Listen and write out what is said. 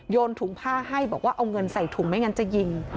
ถุงผ้าให้บอกว่าเอาเงินใส่ถุงไม่งั้นจะยิง